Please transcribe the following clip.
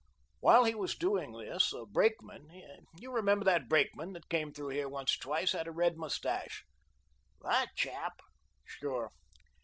"While he was doing this, a brakeman you remember that brakeman that came through here once or twice had a red mustache." "THAT chap?" "Sure.